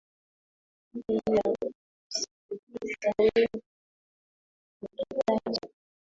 hi ya kusikiliza wengi wakitaja